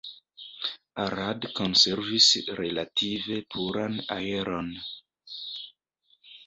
Arad konservis relative puran aeron.